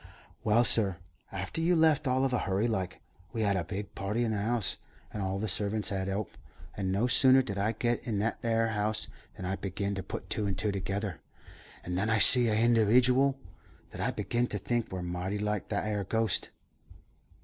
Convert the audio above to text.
"Well, sur, after you left all of a hurry like, we had a big party in the house, and all the servants 'ad to 'elp; and no sooner did I git in that 'ere house than I beginned to put two and two together, and then I see a hindiwidual that I beginned to think wur mighty like that 'ere ghost."